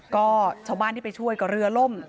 ก็ชาวบ้านที่ไปช่วยก็เรือล่ม